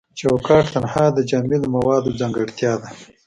چوکات تنها د جامد موادو ځانګړتیا ده.